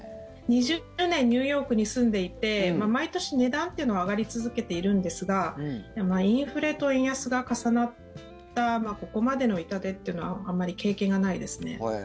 ２０年ニューヨークに住んでいて毎年、値段というのは上がり続けているんですがインフレと円安が重なったここまでの痛手っていうのはあまり経験がないですね。